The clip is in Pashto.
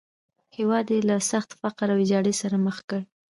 هېواد یې له سخت فقر او ویجاړۍ سره مخ کړ.